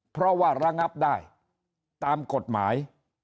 เพราะว่าระงับได้ตามกฎหมาย